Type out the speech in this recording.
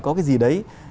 có cái gì đấy